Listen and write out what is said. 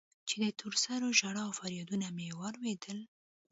چې د تور سرو ژړا و فريادونه مو واورېدل.